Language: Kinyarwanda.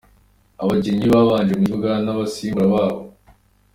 Abakinnyi babanje mu kibuga n’abasimbura babo:.